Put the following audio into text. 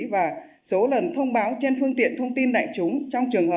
và số lần thông báo trên phương tiện thông tin đại chúng trong trường hợp